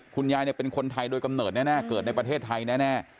คุณยายเป็นคนไทยโดยกำเนิดแน่เกิดในประเทศไทยแน่